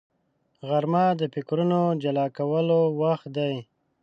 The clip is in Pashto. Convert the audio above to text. غرمه د فکرونو جلا کولو وخت دی